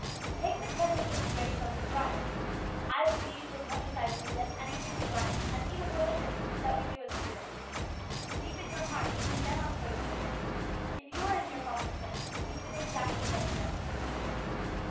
Take the present situation of the strike. I believe as much as I believe anything that it is right, and even religious, that we do as we do. Deep in your heart you condemn us for the movement. If you were in your father's place you would feel exactly as he does about it.